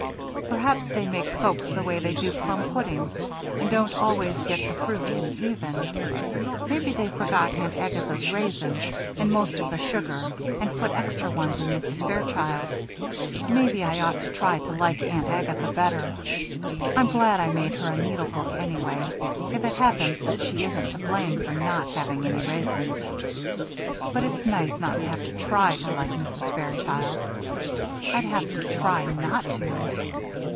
Perhaps they make folks the way they do plum puddings and don't always get the fruit in even. Maybe they forgot Aunt Agatha's raisins and most of the sugar and put extra ones in Mrs. Fairchild. Maybe I ought to try to like Aunt Agatha better I'm glad I made her a needle book, anyway, if it happens that she isn't to blame for not having any raisins. But it's nice not to have to try to like Mrs. Fairchild. I'd have to try not to."